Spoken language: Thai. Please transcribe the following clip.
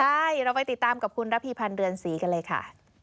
ใช่เราไปติดตามกับคุณระพีพันธ์เรือนศรีกันเลยค่ะ